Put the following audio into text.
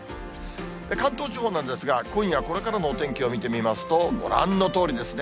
関東地方なんですが、今夜、これからのお天気を見てみますと、ご覧のとおりですね。